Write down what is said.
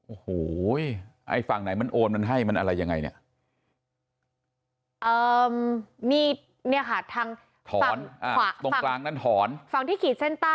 โอ้โหไอ้ฝั่งไหนมันโอนมันให้